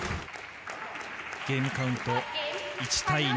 ゲームカウント１対２